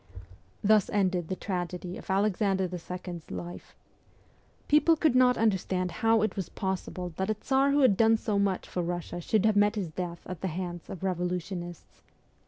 Thus ended the tragedy of Alexander the Second's life. People could not understand how it was possible that a Tsar who had done so much for Russia should have met his death at the hands of revolutionists.